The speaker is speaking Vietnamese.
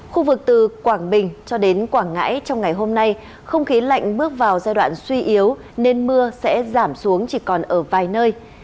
khu vực từ quảng bình cho đến quảng ngãi trong ngày hôm nay không khí lạnh bước vào giai đoạn suy yếu nên mưa sẽ giảm xuống chỉ còn ở vài nơi